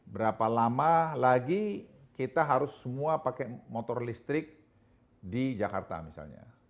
berapa lama lagi kita harus semua pakai motor listrik di jakarta misalnya